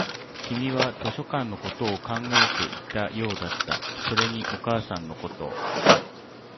君は図書館のことを考えていたようだった、それにお母さんのこと